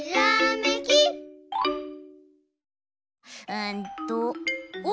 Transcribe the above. うんとおっ！